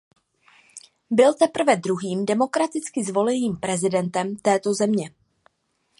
Byl teprve druhým demokraticky zvoleným prezidentem této země.